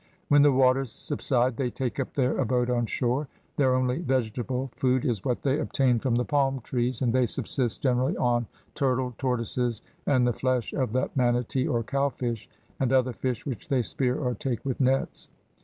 When the waters subside, they take up their abode on shore. Their only vegetable food is what they obtain from the palm trees, and they subsist generally on turtle, tortoises, and the flesh of the manatee or cowfish, and other fish, which they spear or take with nets.